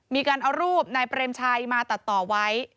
มีการเอารูปนายเปรมชัยมาตัดต่อไว้